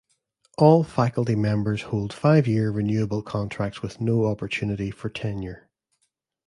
All faculty members hold five-year renewable contracts with no opportunity for tenure.